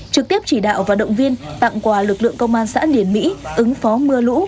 trực tiếp chỉ đạo và động viên tặng quà lực lượng công an xã điển mỹ ứng phó mưa lũ